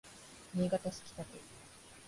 新潟市北区